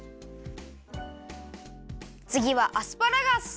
つぎはアスパラガス！